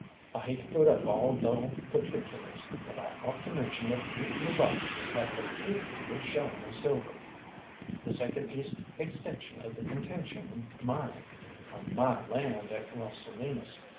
I hate to put up dull particulars, but I ought to mention that Mutiny Robertson had located a good showing of silver, the second east extension of the Contention Mine, on my land at Las Salinas.